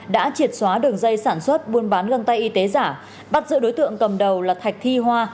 đã triệt xóa đường dây sản xuất buôn bán găng tay y tế giả bắt giữ đối tượng cầm đầu là thạch thi hoa